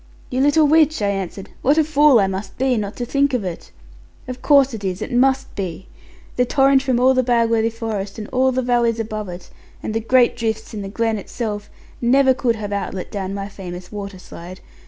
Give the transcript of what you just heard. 'You little witch,' I answered; 'what a fool I must be not to think of it! Of course it is: it must be. The torrent from all the Bagworthy forest, and all the valleys above it, and the great drifts in the glen itself, never could have outlet down my famous waterslide.